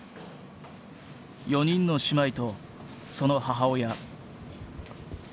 ４人の姉妹とその母親。